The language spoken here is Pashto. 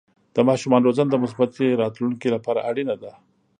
د ماشومانو روزنه د مثبتې راتلونکې لپاره اړینه ده.